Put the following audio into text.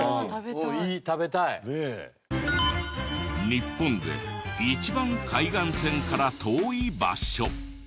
日本で一番海岸線から遠い場所。